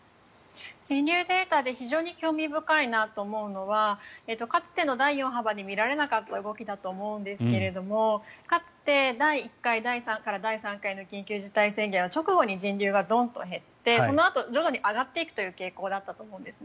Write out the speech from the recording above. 人流データで非常に興味深いなと思うのはかつての第４波までに見られなかった動きだと思うんですがかつて、第１回から第３回の緊急事態宣言では直後に人流がどんと減ってそのあと徐々に上がっていくというデータだったと思うんです。